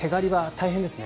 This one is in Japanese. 大変ですね。